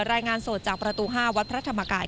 รายงานสดจากประตู๕วัดพระธรรมกาย